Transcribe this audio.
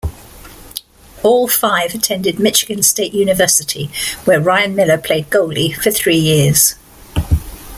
All five attended Michigan State University, where Ryan Miller played goalie for three years.